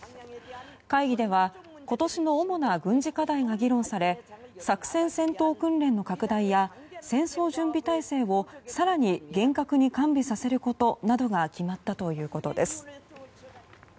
会議では今年の主な軍事課題が議論され作戦戦闘訓練の拡大や戦争準備態勢を更に厳格に完備させることなどが決まったということです。